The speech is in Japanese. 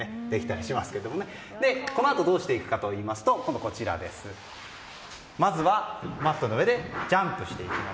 このあとどうしていくのかといいますとまずはマットの上でジャンプしていきます。